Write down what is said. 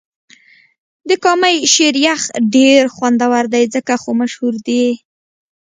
د کامی شیر یخ ډېر خوندور دی ځکه خو مشهور دې.